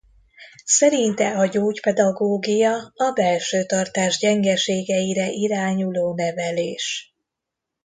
Szerinte a gyógypedagógia a belső tartás gyengeségeire irányuló nevelés.